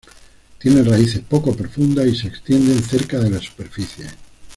Tiene raíces poco profundas y se extienden cerca de la superficie.